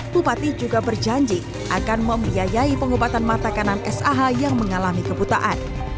bupati juga berjanji akan membiayai pengobatan mata kanan sah yang mengalami kebutaan